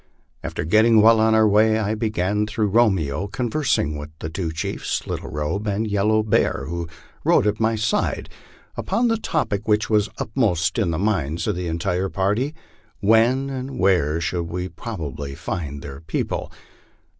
After getting well on our w:iy I began, through Romeo, conversing with the two chiefs Little Robe and Yellow Bear, who rode at my side, upon the topic which was uppermost in the minds of the entire party : When and where should we probably find their people?